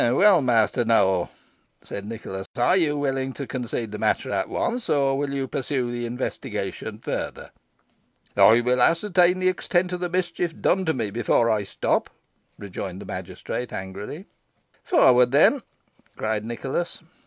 "Well, Master Nowell," said Nicholas, "are you willing to concede the matter at once, or will you pursue the investigation further?" "I will ascertain the extent of the mischief done to me before I stop," rejoined the magistrate, angrily. "Forward, then," cried Nicholas.